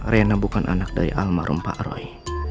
rena bukan anak dari almarhum pak roy